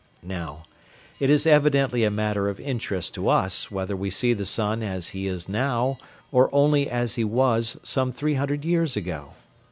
Now, it is evidently a matter of interest to us whether we see the sun as he is now, or only as he was some three hundred years ago.